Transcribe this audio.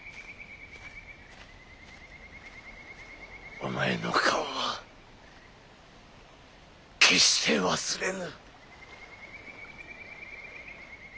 お前の顔は決して忘れぬ。